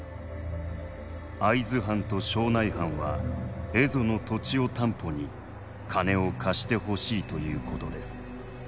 「会津藩と庄内藩は蝦夷の土地を担保に金を貸してほしいということです。